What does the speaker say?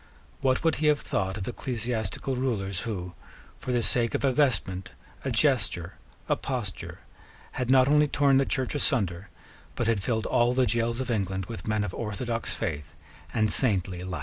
What would he have thought of ecclesiastical rulers who, for the sake of a vestment, a gesture, a posture, had not only torn the Church asunder, but had filled all the gaols of England with men of orthodox faith and saintly life?